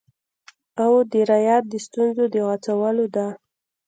او درایت د ستونزو د غوڅولو ده